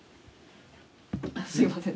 すいません。